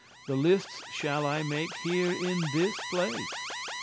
The listes shall I make here in this place.